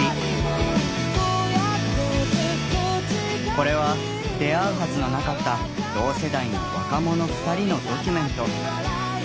これは出会うはずのなかった同世代の若者２人のドキュメント。